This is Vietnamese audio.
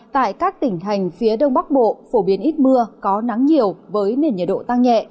tại các tỉnh thành phía đông bắc bộ phổ biến ít mưa có nắng nhiều với nền nhiệt độ tăng nhẹ